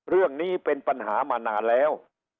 เรื่องนี้เป็นปัญหามานานแล้ว